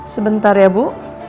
sebentar ya bu